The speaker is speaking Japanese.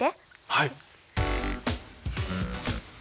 はい。